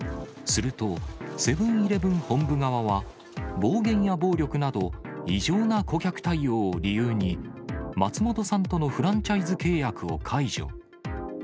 すると、セブンーイレブン本部側は、暴言や暴力など、異常な顧客対応を理由に、松本さんとのフランチャイズ契約を解除。